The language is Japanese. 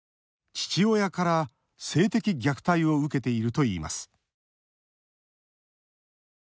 父親から性的虐待を受けているといいます。